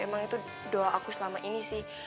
emang itu doa aku selama ini sih